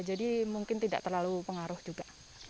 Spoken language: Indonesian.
jadi mungkin tidak terlalu pengaruh juga